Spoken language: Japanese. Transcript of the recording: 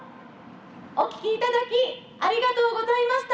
お聞きいただきありがとうございました。